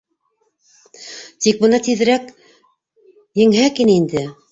Тик бына тиҙерәк еңһәк ине инде.